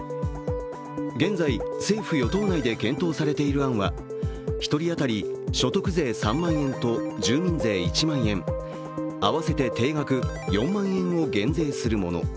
現在、政府・与党内で検討されている案は１人当たり所得税３万円と住民税１万円、合わせて定額４万円を減税するもの。